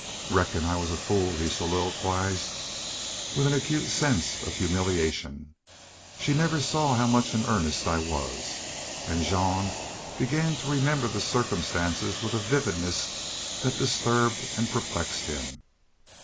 "Reckon I was a fool," he soliloquized, with an acute sense of humiliation. "She never saw how much in earnest I was." And Jean began to remember the circumstances with a vividness that disturbed and perplexed him.